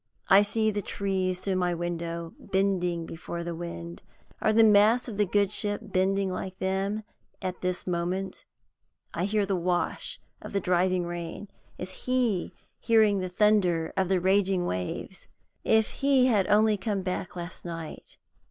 I see the trees through my window bending before the wind. Are the masts of the good ship bending like them at this moment? I hear the wash of the driving rain. Is he hearing the thunder of the raging waves? If he had only come back last night!